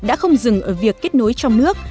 đã không dừng ở việc kết nối trong nước